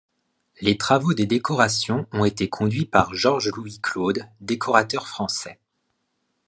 Les travaux de décoration ont été conduits par Georges-Louis Claude, décorateur français.